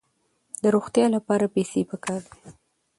د روغتیا لپاره پیسې پکار دي.